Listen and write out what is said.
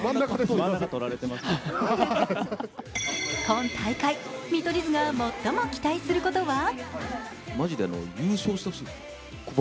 今大会、見取り図が最も期待することは？